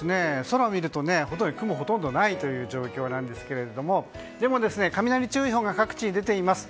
空を見ると雲はほとんどない状況ですがでも、雷注意報が各地に出ています。